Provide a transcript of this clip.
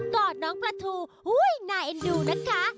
กอดน้องประถูอุ้ยหน่ายอันดูนะคะ